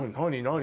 何？